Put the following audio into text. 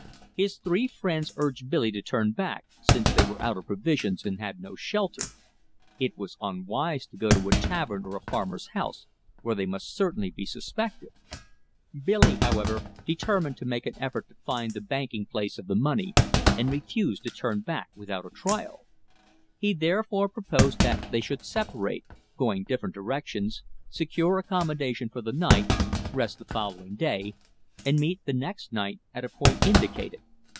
His three friends urged Billy to turn back, since they were out of provisions and had no shelter. It was unwise to go to a tavern or a farmer's house, where they must certainly be suspected. Billy, however, determined to make an effort to find the banking place of the money, and refused to turn back without a trial. He therefore proposed that they should separate, going different directions, secure accommodation for the night, rest the following day, and meet the next night at a point indicated.